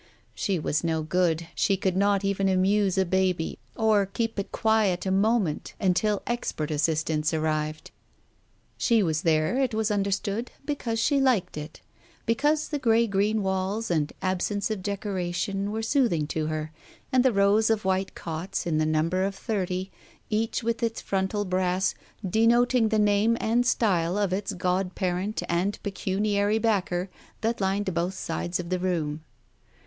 She was no good, she could not even amuse a baby, or keep it quiet for a moment until expert assistance arrived. She was there, it was understood, because she liked it ; because the grey green walls and absence of decoration were soothing to her, and the rows of white cots, to the number of thirty, each with its frontal brass denoting the name and style of its god parent and pecuniary backer that lined both sides of the room.